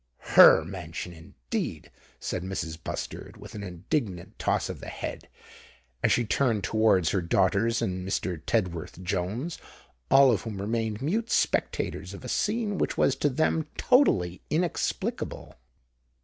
"Her mansion, indeed!" said Mrs. Bustard, with an indignant toss of the head, as she turned towards her daughters and Mr. Tedworth Jones, all of whom remained mute spectators of a scene which was to them totally inexplicable.